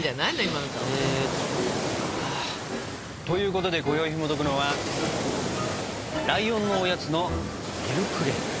今の顔。ということでこよいひもとくのは「ライオンのおやつ」のミルクレープ！